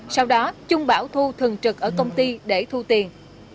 sau đó trung bảo thu thường trực ở công ty để thu tiền